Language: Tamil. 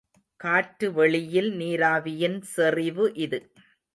காற்றுவெளியில் நீராவியின் செறிவு இது.